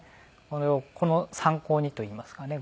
これを参考にといいますかね